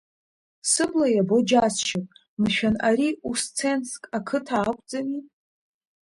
Сыбла иабо џьасшьоит, мшәан, ари Усценск ақыҭа акәӡами?!